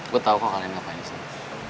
gue tau kok kalian ngapain di sini